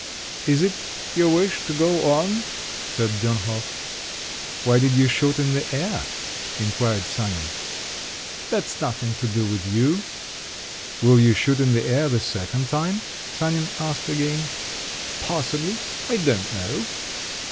"Is it your wish to go on?" said Dönhof. "Why did you shoot in the air?" inquired Sanin. "That's nothing to do with you." "Will you shoot in the air the second time?" Sanin asked again. "Possibly: I don't know."